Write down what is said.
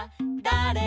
「だれ？」